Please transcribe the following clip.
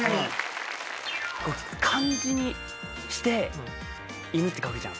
漢字にして「犬」って書くじゃん。